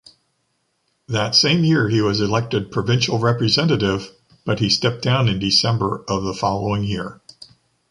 That same year he was elected provincial representative, but he stepped down in December of the following year.